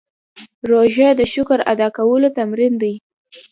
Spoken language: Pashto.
روژه د شکر ادا کولو تمرین دی.